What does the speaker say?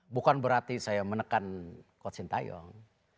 bukan berarti saya menekan coach sintayong